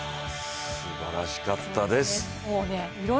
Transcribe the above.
すばらしかったです。